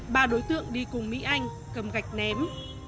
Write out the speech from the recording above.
ba đối tượng đi cùng mỹ anh cầm gạch ném